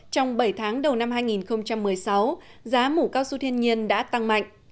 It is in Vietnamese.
trong bảy tháng đầu năm hai nghìn một mươi sáu giá mũ cao su thiên nhiên đã tăng mạnh